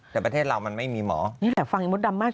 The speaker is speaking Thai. แต่ประเทศเรามันไม่มีหมอ